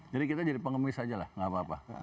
jadi kita jadi pengemis aja lah gak apa apa